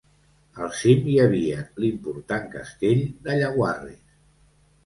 Al cim hi havia l'important castell de Llaguarres.